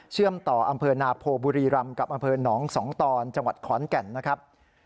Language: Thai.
ต่ออำเภอนาโพบุรีรำกับอำเภอหนองสองตอนจังหวัดขอนแก่นนะครับ